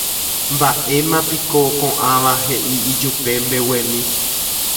Mbaʼéma piko koʼãva heʼi ijupe mbeguemi.